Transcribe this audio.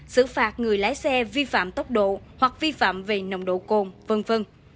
xử phạt người lái xe vi phạm tốc độ hoặc vi phạm về nồng độ cồn v v